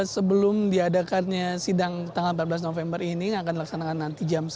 sebelum diadakannya sidang tanggal empat belas november ini yang akan dilaksanakan nanti jam sembilan